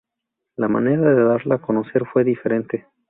La manera de darla a conocer fue diferente.